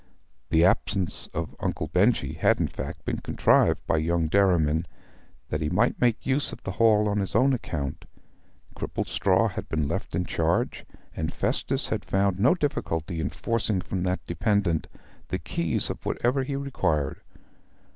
The absence of Uncle Benjy had, in fact, been contrived by young Derriman that he might make use of the hall on his own account. Cripplestraw had been left in charge, and Festus had found no difficulty in forcing from that dependent the keys of whatever he required.